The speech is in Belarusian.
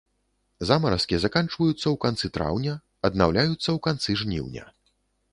Замаразкі заканчваюцца ў канцы траўня, аднаўляюцца ў канцы жніўня.